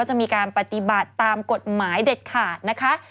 จะมีการปฏิบัติตามกฎหมายเด็ดขาดนะคะ